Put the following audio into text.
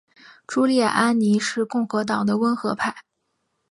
朱利安尼是共和党的温和派。